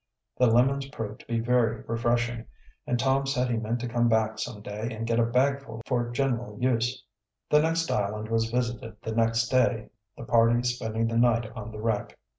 The lemons proved to be very refreshing, and Tom said he meant to come back some day and get a bagful for general use. The next island was visited the next day, the party spending the night on the wreck.